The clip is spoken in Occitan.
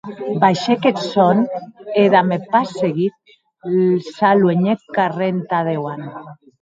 Baishèc eth sòn, e, damb pas seguit, s’aluenhèc carrèr entà dauant.